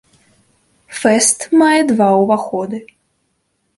Фэст мае два ўваходы.